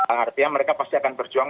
artinya mereka pasti akan berjuang